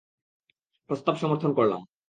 প্রস্তাব সমর্থন করলাম।